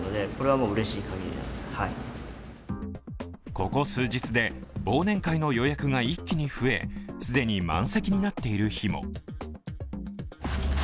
ここ数日で忘年会の予約が一気に増え既に満席になっている日も。